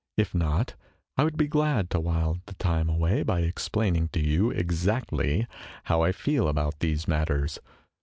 If not, I would be glad to while the time away by explaining to you exactly how I feel about these matters.